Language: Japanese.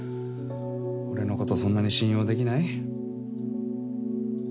俺のことそんなに信用できない？